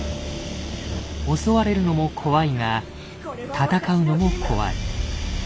襲われるのも怖いが戦うのも怖い。